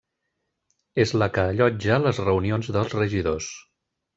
És la que allotja les reunions dels regidors.